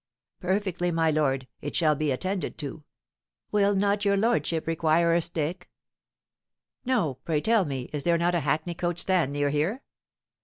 "Perfectly, my lord; it shall be attended to. Will not your lordship require a stick?" "No. Pray tell me, is there not a hackney coach stand near here?"